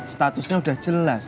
statusnya udah jelas